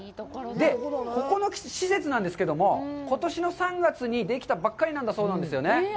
で、ここの施設なんですけれども、ことしの３月にできたばっかりなんだそうなんですよね。